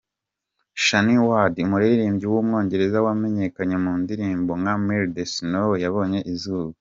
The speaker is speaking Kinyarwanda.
Shayne Ward, umuririmbyi w’umwongereza wamenyekanye mu ndirimbo nka Melt The Snow yabonye izuba.